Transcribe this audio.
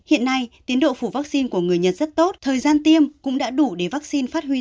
hiện nay tiến độ phủ vaccine của người nhật rất tốt thời gian tiêm cũng đã đủ để vaccine phát huy